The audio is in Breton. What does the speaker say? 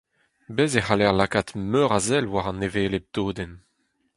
Bez’ e c’haller lakaat meur a sell war an hevelep dodenn.